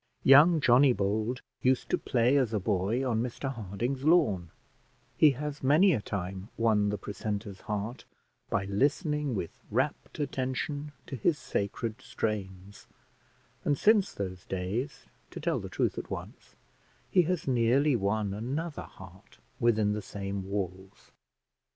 Young Johnny Bold used to play as a boy on Mr Harding's lawn; he has many a time won the precentor's heart by listening with rapt attention to his sacred strains; and since those days, to tell the truth at once, he has nearly won another heart within the same walls.